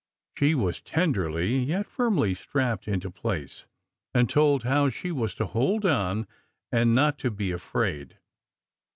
She was tenderly yet firmly strapped into place, and told how she was to hold on, and not to be afraid.